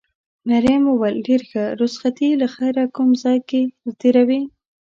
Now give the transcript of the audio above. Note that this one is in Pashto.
مريم وویل: ډېر ښه، رخصتي له خیره کوم ځای کې تېروې؟